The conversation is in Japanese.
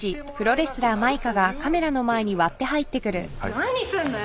何すんのよ